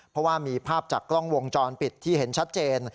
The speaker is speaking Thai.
เพราะว่ามีภาพจากกล้องวงจรปิดที่เห็นชัดเจน